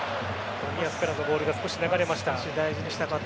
冨安からのボールが少し流れました。